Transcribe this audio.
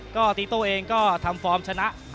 ก็ตีโต้เองก็ทำฟอร์มชนะ